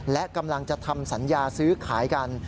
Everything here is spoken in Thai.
และกำลังจะทำสัญญาซื้อขายกัน